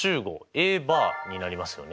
Ａバーになりますよね。